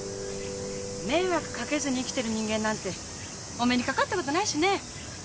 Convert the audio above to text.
迷惑掛けずに生きてる人間なんてお目にかかったことないしね。